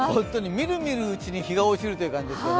みるみるうちに日が落ちるという感じですね。